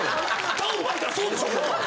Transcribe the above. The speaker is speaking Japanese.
タオル巻いたらそうでしょうもう。